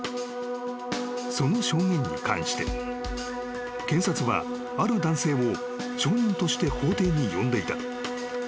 ［その証言に関して検察はある男性を証人として法廷に呼んでいた］